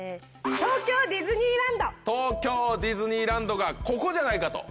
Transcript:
東京ディズニーランドがここじゃないかと。